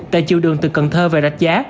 tại chiều đường từ cần thơ về rạch giá